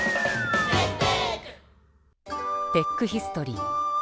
テックヒストリー。